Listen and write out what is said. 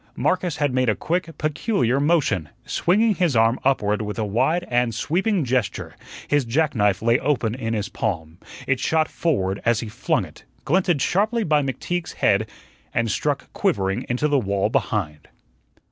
Marcus had made a quick, peculiar motion, swinging his arm upward with a wide and sweeping gesture; his jack knife lay open in his palm; it shot forward as he flung it, glinted sharply by McTeague's head, and struck quivering into the wall behind.